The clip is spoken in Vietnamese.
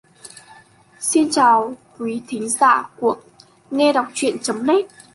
Xin kính chào qúy thính giả của nghe đọc truyện chấm net